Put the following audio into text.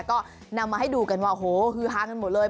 ก็นำมาให้ดูกันว่าโอ้โหคือหาเงินหมดเลย